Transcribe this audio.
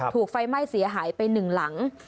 ถูกไฟไปหม้าเสียหายไปหนึ่งหลัง